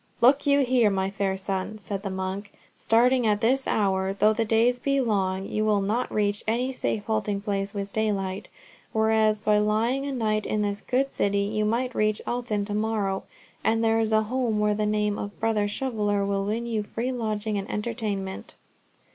"Look you here, my fair son," said the monk. "Starting at this hour, though the days be long, you will not reach any safe halting place with daylight, whereas by lying a night in this good city, you might reach Alton to morrow, and there is a home where the name of Brother Shoveller will win you free lodging and entertainment."